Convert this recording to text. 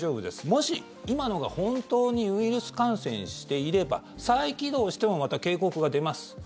もし、今のが本当にウイルス感染していれば再起動してもまた警告が出ます。